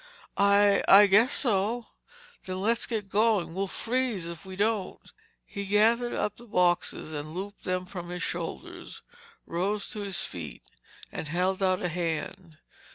"I—I guess so." "Then, let's get going. We'll freeze if we don't." He gathered up the boxes and looped them from his shoulders, rose to his feet and held out a hand.